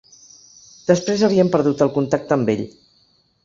Després havíem perdut el contacte amb ell